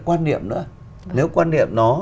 quan niệm nữa nếu quan niệm nó